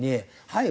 はい。